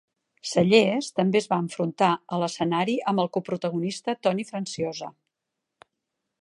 Sellers també es va enfrontar a l"escenari amb el coprotagonista Tony Franciosa.